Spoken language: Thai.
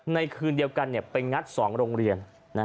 คืนเดียวกันไปงัด๒โรงเรียน